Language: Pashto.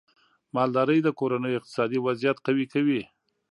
مالدارۍ د کورنیو اقتصادي وضعیت قوي کوي.